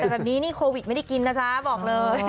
แต่แบบนี้นี่โควิดไม่ได้กินนะจ๊ะบอกเลย